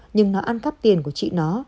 nhưng nó ăn cắp tiền của chị nó